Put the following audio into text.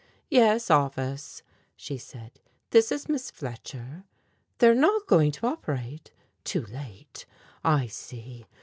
"Yes, Office," she said, "this is Miss Fletcher. They are not going to operate? Too late? I see.